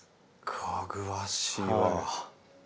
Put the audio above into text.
かぐわしいわ。